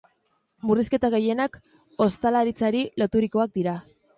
Murrizketa gehienak ostalaritzari loturikoak dira.